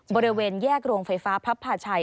บริเวณแยกโรงไฟฟ้าพระภาชัย